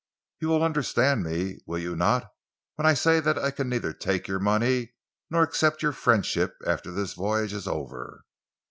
You will understand me, will you not, when I say that I can neither take your money, nor accept your friendship after this voyage is over?